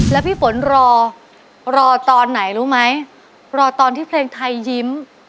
แล้วพี่ฝนรอรอตอนไหนรู้ไหมรอตอนที่เพลงไทยยิ้ม